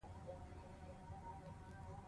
ایا له ملګرو سره ستونزې لرئ؟